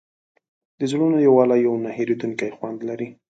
د زړونو یووالی یو نه هېرېدونکی خوند لري.